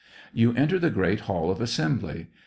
You enter the great Hall of Assembly.